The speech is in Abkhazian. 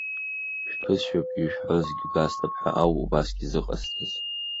Шәԥысшәап, ишәҳәогьы гәасҭап ҳәа ауп убасгьы зыҟасҵаз.